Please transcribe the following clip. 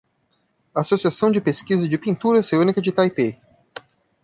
Associação de pesquisa de pintura oceânica de Taipei